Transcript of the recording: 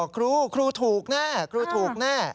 ครูครูถูกแน่ครูถูกแน่